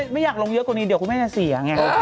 ไม่อย่างลงเยอะกว่านี้เดี๋ยวมีภูมิให้เศีย